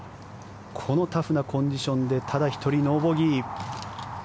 このタフなコンディションでただ１人、ノーボギー。